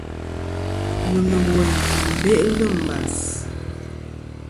Wùl ɨ̀ wèyn nɨ̀n beʼlɨ̂ mbàs.